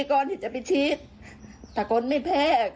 ก่อนที่จะมีคนเป็นอะไรไปนะครับ